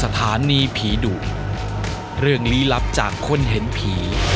ค่ะขอบคุณใจ